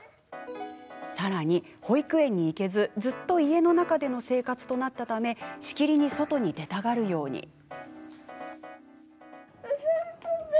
さらに保育園に行けず、ずっと家の中での生活となったためしきりに外に出たがるように。